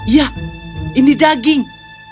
ya ini daging